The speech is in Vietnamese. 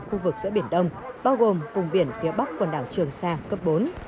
khu vực giữa biển đông bao gồm vùng biển phía bắc quần đảo trường sa cấp bốn